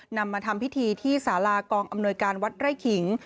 นำมาทำพิธีที่สารากองอำนวยการวัดไร่ขิง